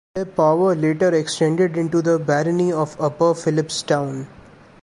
Their power later extended into the barony of Upper Phillipstown.